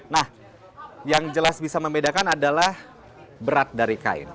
nah yang jelas bisa membedakan adalah berat dari kain